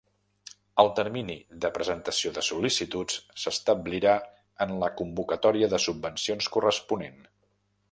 El termini de presentació de sol·licituds s'establirà en la convocatòria de subvencions corresponent.